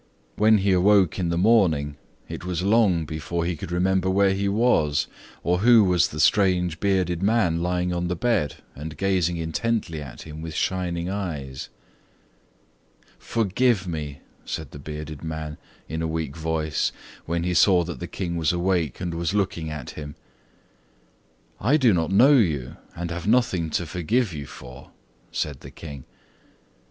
When he awoke in the morning, it was long before he could remember where he was, or who was the strange bearded man lying on the bed and gazing intently at him with shining eyes. "Forgive me!" said the bearded man in a weak voice, when he saw that the King was awake and was looking at him. "I do not know you, and have nothing to forgive you for," said the King.